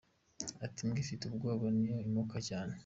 Ati “Imbwa ifite ubwoba niyo imoka cyane.